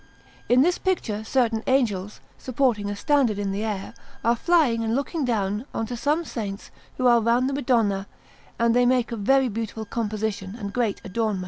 In this picture certain angels, supporting a standard in the air, are flying and looking down on to some saints who are round the Madonna, and they make a very beautiful composition and great adornment.